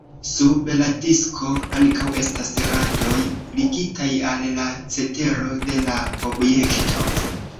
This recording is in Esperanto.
Sub la disko ankaŭ estas radoj ligitaj al la cetero de la objekto.